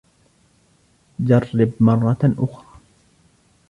جرب مرة أخرى.